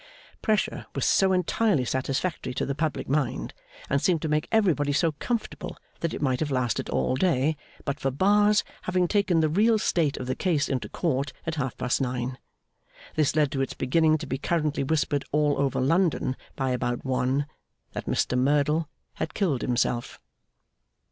Pressure was so entirely satisfactory to the public mind, and seemed to make everybody so comfortable, that it might have lasted all day but for Bar's having taken the real state of the case into Court at half past nine. This led to its beginning to be currently whispered all over London by about one, that Mr Merdle had killed himself.